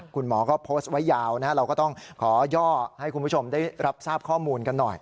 คุณหมอก็โพสต์ไว้ยาวเราก็ต้องขอย่อให้คุณผู้ชมได้รับทราบข้อมูลกันหน่อย